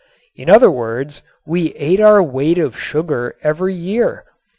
In other words we ate our weight of sugar every year.